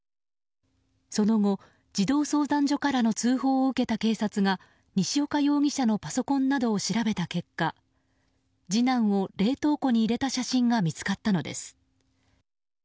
その後、児童相談所からの通報を受けた警察が西岡容疑者のパソコンなどを調べた結果次男を冷凍庫に入れた写真が見つかったのです。